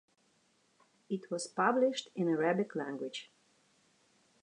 It was published in Arabic language.